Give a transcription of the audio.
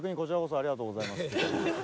ありがとうございます。